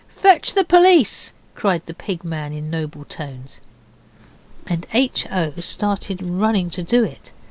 'Fetch the police!' cried the Pig man in noble tones, and H. O. started running to do it.